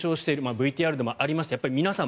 ＶＴＲでもありました皆さん